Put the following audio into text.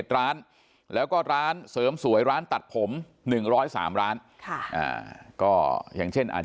ร้านแล้วก็ร้านเสริมสวยร้านตัดผม๑๐๓ร้านค่ะอ่าก็อย่างเช่นอาจจะ